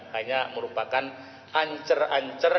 hanya merupakan ancur ancur